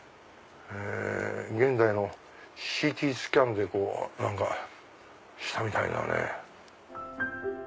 現代のＣＴスキャンでしたみたいなね。